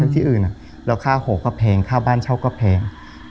ที่อื่นแล้วค่าหอก็แพงค่าบ้านเช่าก็แพง